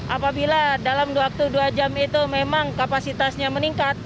apabila dalam waktu dua jam itu memang kapasitasnya meningkat